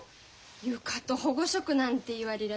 床と保護色なんて言われりゃ